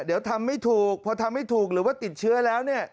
เดี๋ยวทำไม่ถูกพอทำไม่ถูกหรือว่าติดเชื้อแล้วเนี่ย